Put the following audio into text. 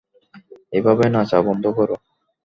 এভাবে নাচা বন্ধ করো!